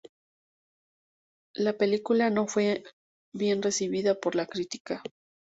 La película no fue bien recibida por la crítica.